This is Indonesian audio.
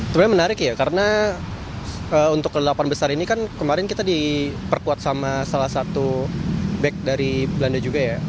sebenarnya menarik ya karena untuk kelelapan besar ini kan kemarin kita diperkuat sama salah satu back dari belanda juga ya